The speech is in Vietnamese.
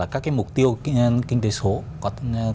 các mục tiêu kinh tế số